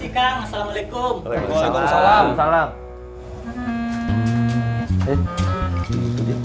hai teman teman assalamualaikum waalaikumsalam